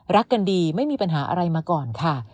รักกันดีไม่มีปัญหาอะไรมาก่อนค่ะ